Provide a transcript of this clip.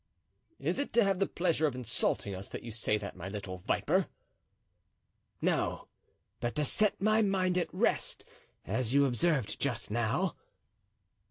"Is it to have the pleasure of insulting us that you say that, my little viper?" "No, but to set my mind at rest, as you observed just now."